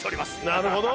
なるほど！